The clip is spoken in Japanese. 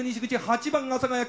８番阿佐ヶ谷。